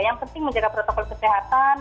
yang penting menjaga protokol kesehatan